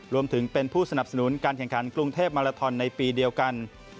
รวมถึงเป็นผู้สนับสนุนการแข่งขันกรุงเทพมาลาทอนในปีเดียวกัน